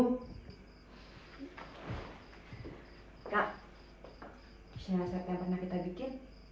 kak bisa lihat yang pernah kita bikin